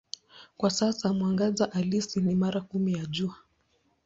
Kwa sasa mwangaza halisi ni mara kumi ya Jua.